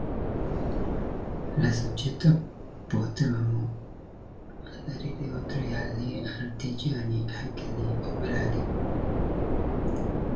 Alla Società potevano aderire oltre agli artigiani anche gli operai.